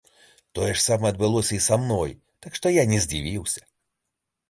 Тое ж самае адбылося і са мной, так што я не здзівіўся.